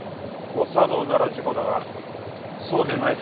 誤作動なら事故だがそうでないとしたら。